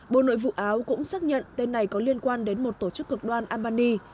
bộ nội vụ áo cũng xác nhận tên này có liên quan đến một tổ chức cực đoan albany